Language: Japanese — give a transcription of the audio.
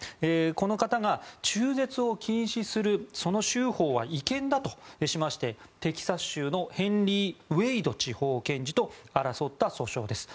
この方が中絶を禁止する州法は違憲だとしましてテキサス州のヘンリー・ウェイド地方検事と争った訴訟です。